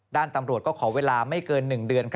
ด้านตำรวจก็ขอเวลาไม่เกิน๑เดือน